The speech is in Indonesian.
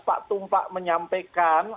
pak tumpak menyampaikan